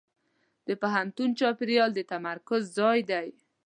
د پوهنتون چاپېریال د تمرکز ځای دی.